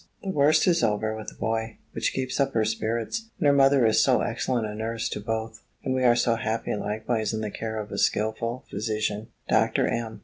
The worst is over with the boy, which keeps up her spirits; and her mother is so excellent a nurse to both, and we are so happy likewise in the care of a skilful physician, Dr. M.